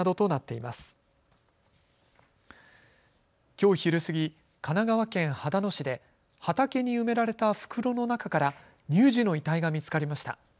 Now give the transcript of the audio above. きょう昼過ぎ、神奈川県秦野市で畑に埋められた袋の中から乳児の遺体が見つかりました。